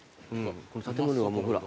建物がもうほら。